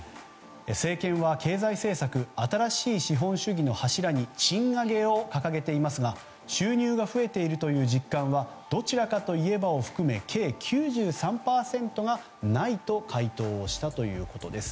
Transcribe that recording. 政権は経済政策新しい資本主義の柱に賃上げを掲げていますが収入が増えているという実感はどちらかといえばを含め計９３％がないと回答したということです。